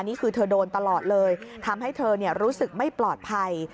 นี่คือเธอโดนตลอดเลยทำให้เธอรู้สึกไม่ปลอดภัย